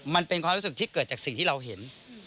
มันเป็นความรู้สึกที่เกิดจากสิ่งที่เราเห็น